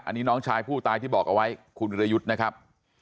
อันนี้น้องชายผู้ตายที่บอกเอาไว้คุณวิรยุทธ์นะครับ